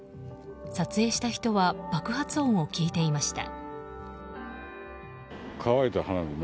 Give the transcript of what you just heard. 撮影した人は爆発音を聞いていました。